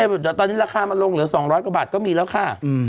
แต่ตอนนี้ราคามันลงเหลือ๒๐๐กว่าบาทก็มีแล้วค่ะ